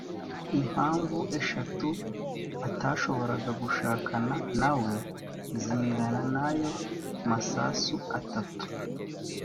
impamvu eshatu atashoboraga gushakana na we zingana n ayo masasu atatu